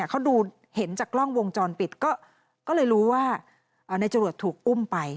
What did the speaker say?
เขาดูเห็นจากกล้องวงจรปิดก็เลยรู้ว่านายจรวดถูกอุ้มไป